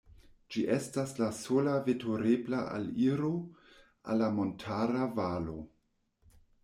Ĝi estas la sola veturebla aliro al la montara valo.